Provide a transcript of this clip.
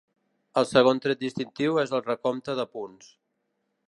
El segon tret distintiu és el recompte de punts.